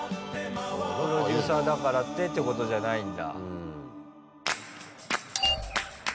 プロデューサーだからってってことじゃないんだ。